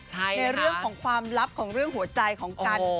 ในเรื่องของความลับของเรื่องหัวใจของกัน